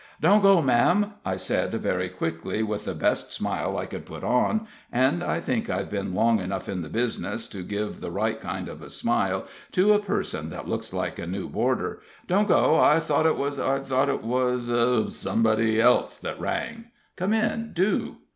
"Don't go, ma'am," I said, very quickly, with the best smile I could put on (and I think I've been long enough in the business to give the right kind of a smile to a person that looks like a new boarder). "Don't go I thought it was I thought it was somebody else that rang. Come in, do."